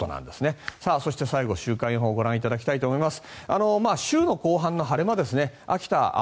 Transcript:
そして最後は週間予報をご覧いただきたいと思います。